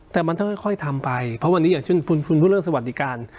แต่มันต้องค่อยทำไปเพราะวันนี้อย่างเช่นคุณพูดเรื่องสวัสดิการ